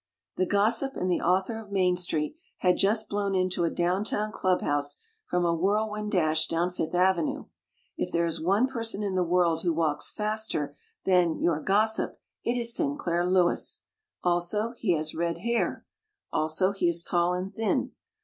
The Gossip and the author of "Main Street" had just blown into a down town club house from a whirlwind dash down Fifth Avenue. If there is one person in the world who walks faster than Your Gossip, it is Sinclair Lewis. Also, he has red hair. Also, he is tall and thin.